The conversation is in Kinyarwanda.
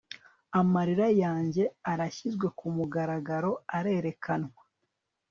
amarira yanjye arashyizwe kumugaragaro, arerekanwa